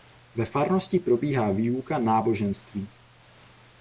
Ve farnosti probíhá výuka náboženství.